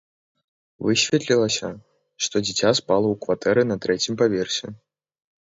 Высветлілася, што дзіця спала ў кватэры на трэцім паверсе.